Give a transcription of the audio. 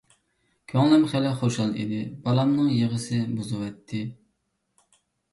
كۆڭلۈم خېلى خۇشال ئىدى، بالامنىڭ يىغىسى بۇزۇۋەتتى.